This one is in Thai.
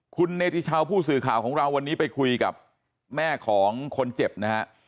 คุณเนติชาวผู้สื่อข่าวของเราวันนี้ไปคุยกับแม่ของคนเจ็บนะฮะ